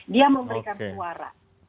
dia memberikan suara